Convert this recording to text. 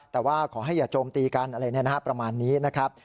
แต่ว่าขอให้อย่าโจมตีกันอะไรประมาณนี้นะครับ